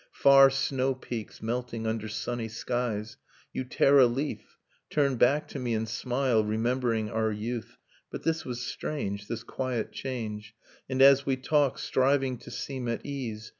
Far snow peaks melting under sunny skies. . You tear a leaf, turn back to me and smile, Remembering our youth. But this was strange, This quiet change, And as we talk, striving to seem at ease.